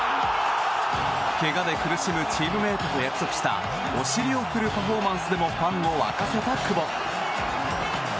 けがで苦しむチームメートと約束したお尻を振るパフォーマンスでもファンを沸かせた久保。